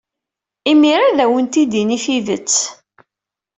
Imir-a ad awent-d-tini tidet.